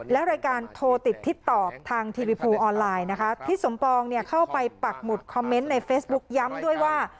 และรายการโทรติดทิศตอบทางทีวีโพลออนไลน์นะคะทิศสมปองเนี่ยเข้าไปปักหมุดคอมเมนต์ในเฟซบุ๊คย้ำด้วยว่า